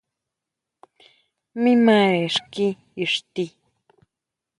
Mi mare xki ixti.